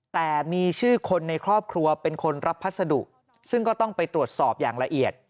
แต่มีชื่อคนในครอบครัวเป็นคนรับพัสดุซึ่งก็ต้องไปตรวจสอบอย่างละเอียด